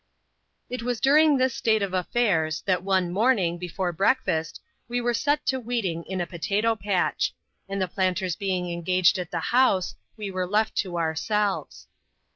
It was during this state of affairs, that one morning, before breakfast, we were set to weeding in a potato patch ; and the planters being engaged at the house, we were left to ourselves.